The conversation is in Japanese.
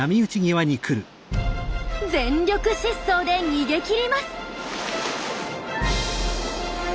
全力疾走で逃げきります。